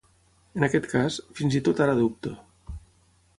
En aquest cas, fins i tot ara dubto.